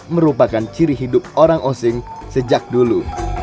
merupakan ciri hidup orang osing sejak dulu